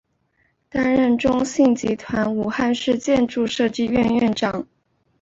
担任中信集团武汉市建筑设计院院长。